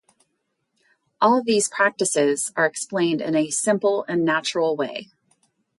All these practices are explained in a simple and natural way.